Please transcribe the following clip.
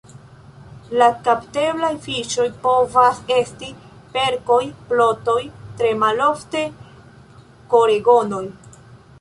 La kapteblaj fiŝoj povas esti perkoj, plotoj, tre malofte koregonoj.